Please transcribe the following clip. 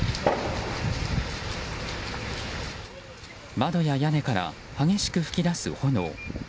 窓や屋根から激しく噴き出す炎。